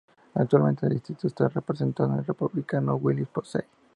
Actualmente el distrito está representado por el Republicano Bill Posey.